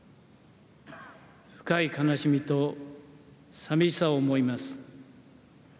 深い悲しみと寂しさを思います。